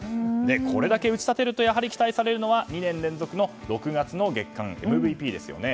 これだけ打ち立てるとやはり期待されるのは２年連続の６月の月間ＭＶＰですよね。